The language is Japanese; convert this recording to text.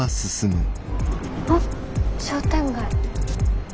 あ商店街。